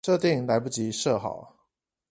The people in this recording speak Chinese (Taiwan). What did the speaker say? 設定來不及設好